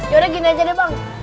yaudah gini aja deh bang